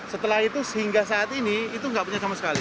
setelah itu hingga saat ini itu nggak punya sama sekali